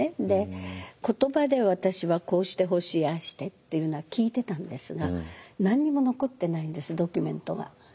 で言葉で私はこうしてほしいああしてっていうのは聞いてたんですが何にも残ってないんですドキュメントが。